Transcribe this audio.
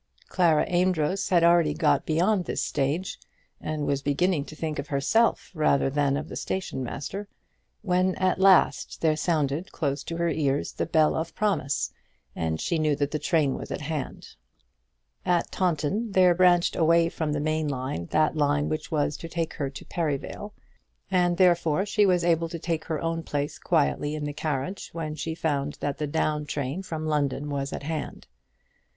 Clara Amedroz had already got beyond this stage, and was beginning to think of herself rather than of the station master, when at last there sounded, close to her ears, the bell of promise, and she knew that the train was at hand. At Taunton there branched away from the main line that line which was to take her to Perivale, and therefore she was able to take her own place quietly in the carriage when she found that the down train from London was at hand.